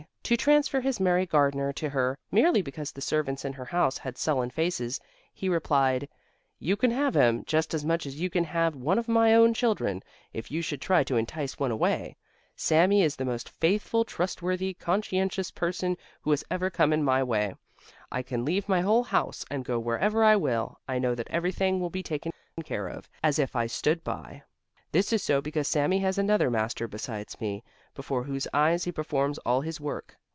to transfer his merry gardener to her, merely because the servants in her house had sullen faces, he replied: "You can have him, just as much as you can have one of my own children, if you should try to entice one away. Sami is the most faithful, trustworthy, conscientious person who has ever come in my way. I can leave my whole house and go wherever I will, I know that everything will be taken care of, as if I stood by. This is so because Sami has another Master besides me, before whose eyes he performs all his work.